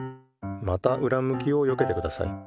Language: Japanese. またうらむきをよけてください。